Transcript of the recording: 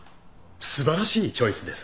素晴らしいチョイスです。